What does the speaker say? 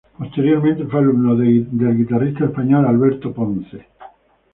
Posteriormente fue alumno del guitarrista español Alberto Ponce.